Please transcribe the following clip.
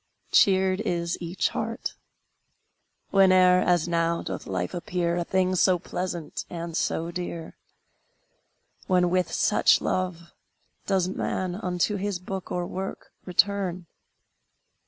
Cheered is each heart. Whene'er, as now, doth life appear A thing so pleasant and so dear? When, with such love, Does man unto his books or work return?